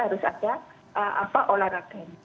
harus ada apa olahraga